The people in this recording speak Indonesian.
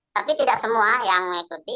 tapi tidak semua yang mengikuti